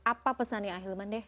apa pesannya ahilman deh